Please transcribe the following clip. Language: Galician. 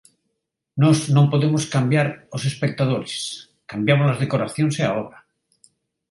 Nós non podemos cambiar ós espectadores, cambiamo-las decoracións e a obra.